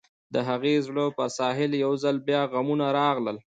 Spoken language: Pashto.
د هغې د زړه پر ساحل يو ځل بيا غمونه راغلل.